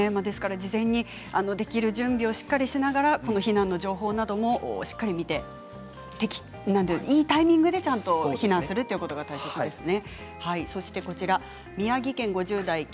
事前にできる準備をしっかりとしながら避難の情報もしっかりと見ていいタイミングでちゃんと避難することが大事ですね。